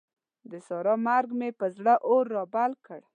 د سارا مرګ مې پر زړه اور رابل کړ.